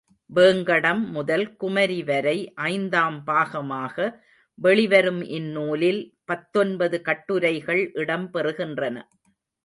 வேங்கடம் முதல் குமரி வரை ஐந்தாம் பாகமாக வெளிவரும் இந்நூலில் பத்தொன்பது கட்டுரைகள் இடம் பெறுகின்றன.